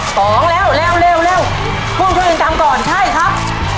สองแล้วเร็วเร็วผู้ช่วยกันทำก่อนใช่ครับ